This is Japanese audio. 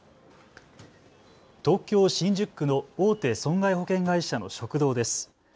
東京新宿区の大手損害保険会社の食堂です。